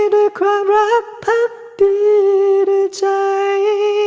ด้วยความรักภักดีในใจ